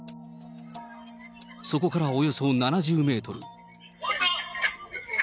そこからおよそ７０メートル。